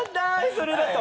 それだと。